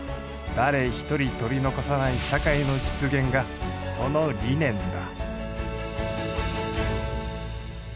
誰ひとり取り残さない社会の実現がその理念だ。